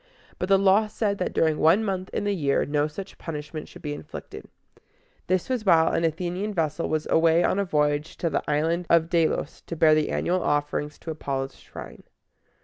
But the law said that during one month in the year no such punishment should be inflicted. This was while an Athenian vessel was away on a voyage to the Island of De´los to bear the annual offerings to Apollo's shrine.